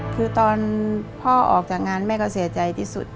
คือตอนพ่อออกจากงานแม่ก็เสียใจที่สุด